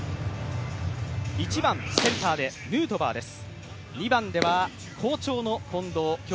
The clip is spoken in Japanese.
１番、センターでヌートバーです。